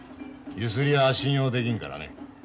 ゆすり屋信用できんからね。